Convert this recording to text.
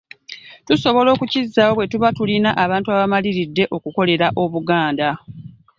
Tusobola okukizzaawo bwe tuba tulina abantu abamaliridde okukolera obuganda